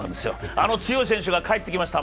あの強い選手が帰ってきました。